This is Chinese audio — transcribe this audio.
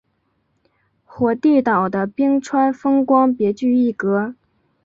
火地岛的冰川风光别具一格。